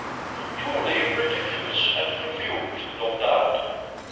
Truly ridiculous and confused, no doubt.